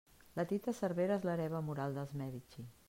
La Tita Cervera és l'hereva moral dels Medici.